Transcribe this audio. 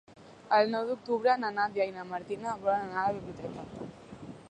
El nou d'octubre na Nàdia i na Martina volen anar a la biblioteca.